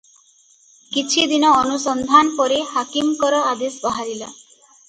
କିଛି ଦିନ ଅନୁସନ୍ଧାନ ପରେ ହାକିମଙ୍କର ଆଦେଶ ବାହାରିଲା ।